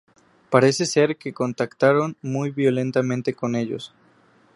Parece ser que contactaron muy violentamente con ellos.